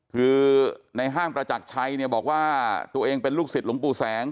คือในห้างประจักรชัยเนี่ยบอกว่าตัวเองเป็นลูกศิษย์หลวงปู่แสง